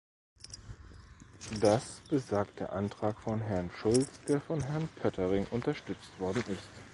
Das besagt der Antrag von Herrn Schulz, der von Herrn Pöttering unterstützt worden ist.